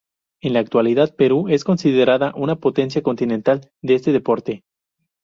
En la actualidad, Perú es considerada una potencia continental de este deporte.